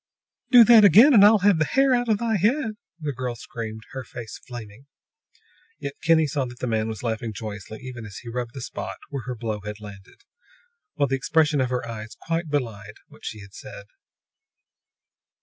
"Do that again, and I'll have the hair out of thy head!" the girl screamed, her face flaming. Yet Kinney saw that the man was laughing joyously even as he rubbed the spot where her blow had landed, while the expression of her eyes quite belied what she had said.